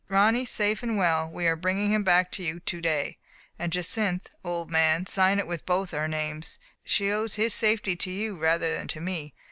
'Ronny safe and well; we are bringing him back to you to day/ And Jacynth, old man, sign it with both our names. She owes his safety to you rather than to me.